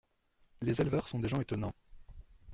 Les éleveurs sont des gens étonnants.